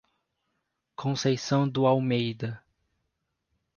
Conceição do Almeida